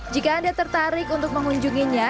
jika anda tertarik untuk mengunjunginya